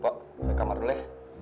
pak saya ke kamar dulu ya